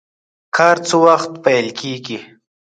کار څه وخت پیل کیږي؟